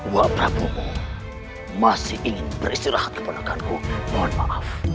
wak prabumu masih ingin beristirahat daripadaku mohon maaf